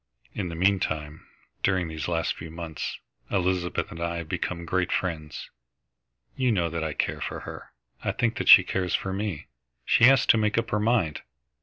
In the meantime, during these last few months, Elizabeth and I have become great friends. You know that I care for her. I think that she cares for me. She has to make up her mind.